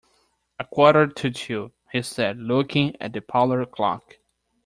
‘A quarter to two,’ he said, looking at the parlour clock.